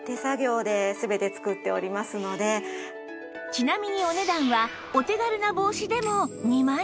ちなみにお値段はお手軽な帽子でも２万円台